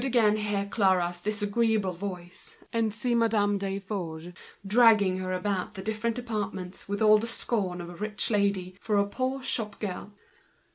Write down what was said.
She could hear Clara's disagreeable voice, she could see Madame Desforges dragging her about the different departments with the scorn of a rich lady for a poor shop girl.